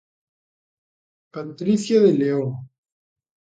Patricia de León.